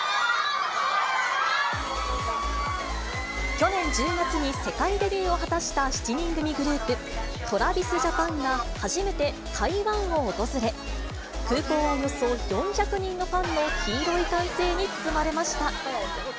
去年１０月に世界デビューを果たした７人組グループ、ＴｒａｖｉｓＪａｐａｎが初めて台湾を訪れ、空港はおよそ４００人のファンの黄色い歓声に包まれました。